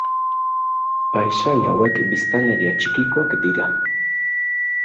Paisai hauek biztanleria txikikoak dira.